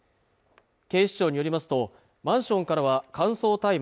警視庁によりますとマンションからは乾燥大麻